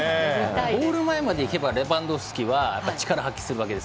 ゴール前まで行けばレバンドフスキは力を発揮するわけです。